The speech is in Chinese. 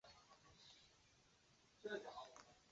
殿试登进士第三甲第三名。